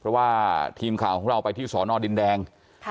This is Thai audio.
เพราะว่าทีมข่าวของเราไปที่สอนอดินแดง